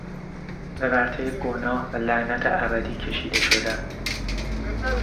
به ورطهی گناه و لعنت ابدی کشیده شدن